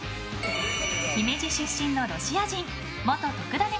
姫路出身のロシア人元「とくダネ！」